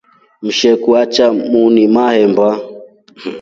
Msheku achya muuni mahemba.